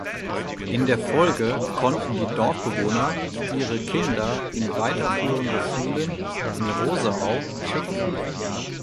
In der Folge konnten die Dorfbewohner ihre Kinder in weiterführende Schulen in Roseau schicken.